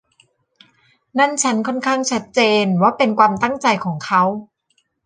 นั่นฉันค่อนข้างชัดเจนว่าเป็นความตั้งใจของเขา